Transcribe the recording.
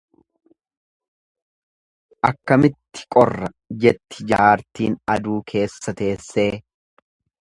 Akkamitti qorra jetti jaartiin aduu keessa teessee.